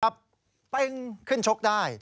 ครับปึ้งขึ้นชกได้